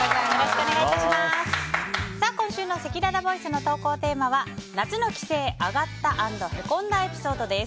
今週のせきららボイスの投稿テーマは夏の帰省アガった＆へこんだエピソードです。